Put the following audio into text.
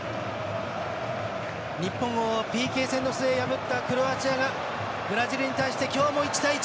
日本をＰＫ戦の末に破ったクロアチアがブラジルに対して今日も１対１。